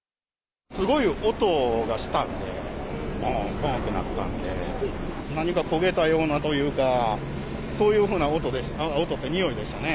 すごい音がしたんで、どんどんって鳴ったんで、何か焦げたようなというか、そういうふうな音でした、音っていうか、においでしたね。